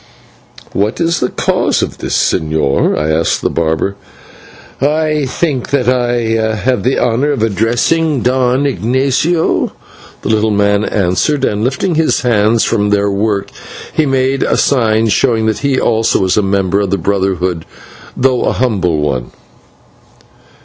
"What is the cause of this, señor?" I asked of the barber. "I think that I have the honour of addressing Don Ignatio," the little man answered, and, lifting his hands from their work, he made a sign showing that he also was a member of our Brotherhood, though a humble one.